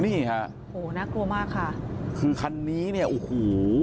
นี่ฮะโหน่ากลัวมากค่ะคือคันนี้เนี่ยโอ้โห